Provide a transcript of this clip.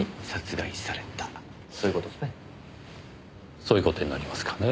そういう事になりますかねぇ。